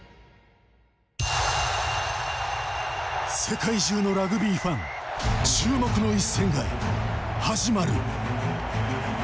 世界中のラグビーファン注目の一戦が始まる。